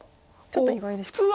ちょっと意外ですか。